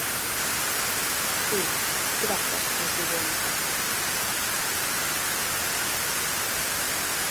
Si, grazas presidente.